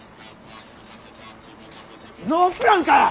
ノープランかよ！